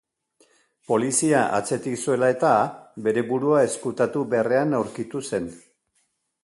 Polizia atzetik zuela-eta, bere burua ezkutatu beharrean aurkitu zen.